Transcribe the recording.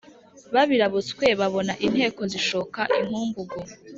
babirabutswe babona inteko zishoka inkungugu